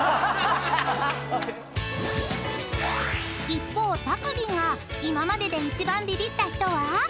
［一方たくみんが今までで一番ビビった人は？］